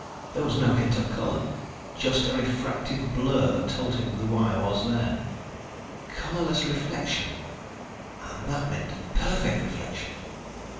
There was no hint of color, just a refractive blur that told him the wire was there. Colorless reflection. _And that meant perfect reflection!